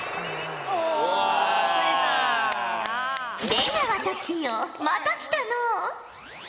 出川たちよまた来たのう。